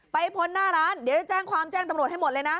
พ้นหน้าร้านเดี๋ยวจะแจ้งความแจ้งตำรวจให้หมดเลยนะ